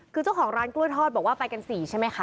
คือเจ้าของร้านกล้วยทอดบอกว่าไปกัน๔ใช่ไหมคะ